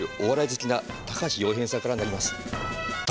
好きな高橋洋平さんからなります」。